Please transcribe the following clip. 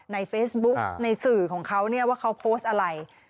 ในเฟซบุ๊กในสื่อของเขาเนี่ยว่าเขาโพสต์อะไร